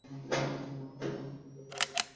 তুমি আমাকে এখন নিয়ে যাবা নয়তো আমি অন্য কাউকে খুজে নিব।